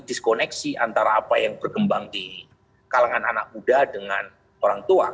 diskoneksi antara apa yang berkembang di kalangan anak muda dengan orang tua